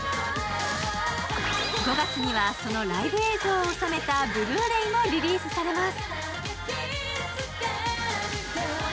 ５月には、そのライブ映像を収めたブルーレイもリリースされます。